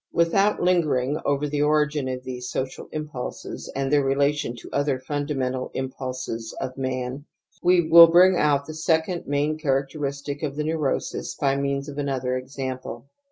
Without lingering ovcf the origin of these social impulses and their relation to other funda ^^ mental impulses of man, we will bring out the Xjy second main characteristic of the neurosis by means of another example.